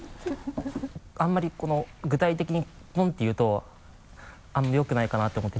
あんまりこの具体的にポンって言うとあんまりよくないかなと思って。